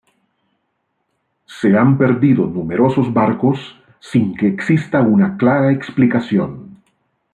Se han perdido numerosos barcos, sin que exista una clara explicación.